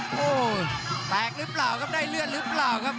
โอ้โหแตกหรือเปล่าครับได้เลือดหรือเปล่าครับ